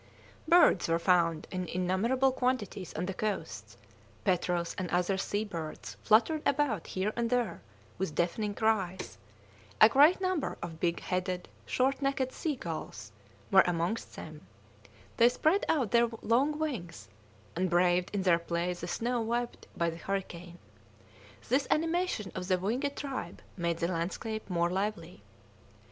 Birds were found in innumerable quantities on these coasts, petrels and other sea birds fluttered about here and there with deafening cries, a great number of big headed, short necked sea gulls were amongst them; they spread out their long wings and braved in their play the snow whipped by the hurricane. This animation of the winged tribe made the landscape more lively.